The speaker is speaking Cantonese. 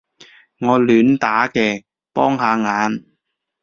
我亂打嘅，幫下眼